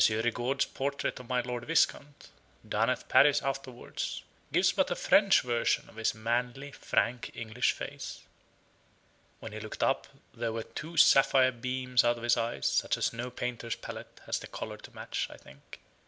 Rigaud's portrait of my Lord Viscount, done at Paris afterwards, gives but a French version of his manly, frank, English face. When he looked up there were two sapphire beams out of his eyes such as no painter's palette has the color to match, I think.